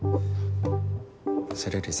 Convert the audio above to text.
それよりさ